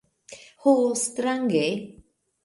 Ho, strange!